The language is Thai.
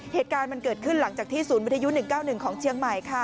เหตุการณ์มันเกิดขึ้นหลังจากที่ศูนย์วิทยุ๑๙๑ของเชียงใหม่ค่ะ